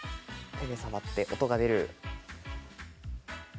手で触って音が出る。